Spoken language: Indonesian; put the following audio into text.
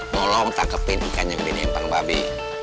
tolong tangkepin ikan yang ada di kempang babi